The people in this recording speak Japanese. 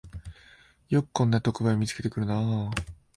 よくこんな特売を見つけてくるなあ